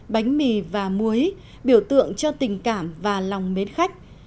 bánh mì và muối biểu tượng cho tình cảm và lòng mến khách